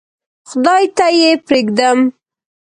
خدای ته یې پرېږدم.